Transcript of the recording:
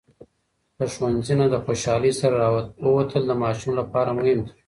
له ښوونځي نه د خوشالۍ سره راووتل د ماشوم لپاره مهم دی.